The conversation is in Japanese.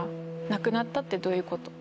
「亡くなったってどういうこと？」。